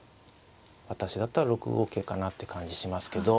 私だったら６五桂かなって感じしますけど。